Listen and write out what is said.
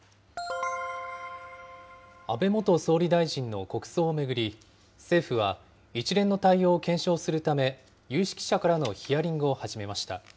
安倍元総理大臣の国葬を巡り、政府は一連の対応を検証するため、有識者からのヒアリングを始めました。